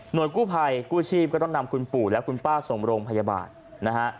โดยกู้ภัยกู้ชีพก็ต้องนำคุณปู่และคุณป้าส่งโรงพยาบาลนะฮะ